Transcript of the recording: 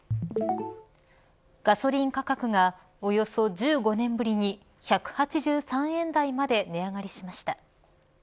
ガソリン価格がおよそ１５年ぶりに１８３円台まで値上がりしました。